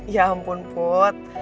ya ampun put